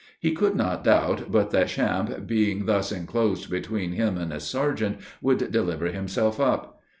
He could not doubt but that Champe, being thus enclosed between him and his sergeant, would deliver himself up.